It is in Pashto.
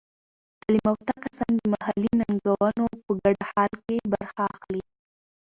تعلیم یافته کسان د محلي ننګونو په ګډه حل کې برخه اخلي.